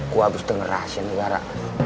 gue abis denger rahasia negara